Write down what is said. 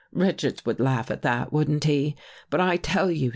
Richards would laugh at that, wouldn't he? But I tell you.